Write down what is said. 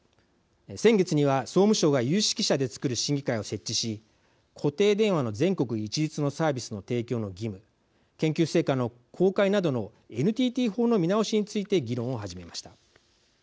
先月には、総務省が有識者で作る審議会を設置し固定電話の全国一律のサービスの提供の義務研究成果の公開などのＮＴＴ法の見直しについて議論を始めました。